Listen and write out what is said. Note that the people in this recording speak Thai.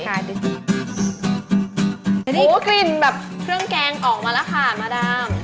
กลิ่นแบบเครื่องแกงออกมาแล้วค่ะมาดาม